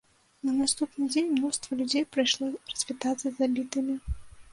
На наступны дзень мноства людзей прыйшло развітацца з забітымі.